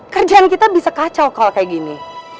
kerjaan kita bisa kacau kalau kayak gini